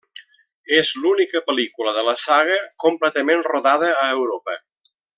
És l'única pel·lícula de la saga completament rodada a Europa.